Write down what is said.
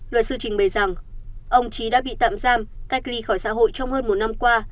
luật sư trình bày rằng ông trí đã bị tạm giam cách ly khỏi xã hội trong hơn một năm qua